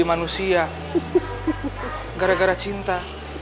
saya menjadi manusia gara gara cinta